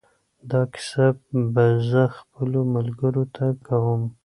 دا کیسه به زه خپلو ملګرو ته کوم.